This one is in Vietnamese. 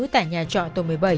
tại nhà trọ tổ một mươi bảy